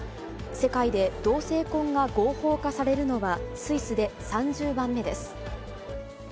世界で同性婚が合法化されるのはスイスで３０番目です。